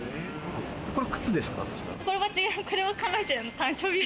これ靴ですか？